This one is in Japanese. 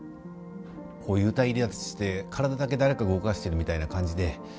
こう幽体離脱して体だけ誰かが動かしてるみたいな感じで。